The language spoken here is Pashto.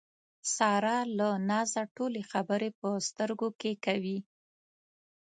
ساره له نازه ټولې خبرې په سترګو کې کوي.